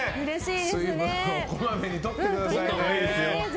水分をこまめにとってくださいね。